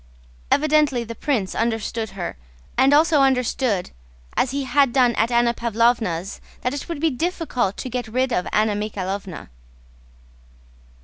Evidently the prince understood her, and also understood, as he had done at Anna Pávlovna's, that it would be difficult to get rid of Anna Mikháylovna.